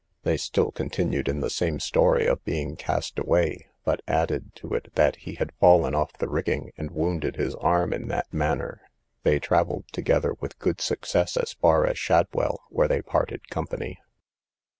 They still continued in the same story of being cast away, but, added to it, that he had fallen off the rigging, and wounded his arm in that manner. They travelled together with good success as far as Shadwell, where they parted company.